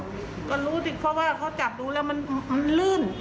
ก็รู้สิเพราะว่าเขาจับดูแล้วมันลื่น